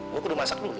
gue kudu masak dulu